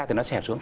thì nó xẹp xuống